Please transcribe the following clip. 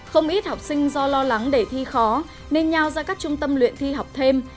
không ít học sinh do lo lắng để thi khó nên nhau ra các trung tâm luyện thi học thêm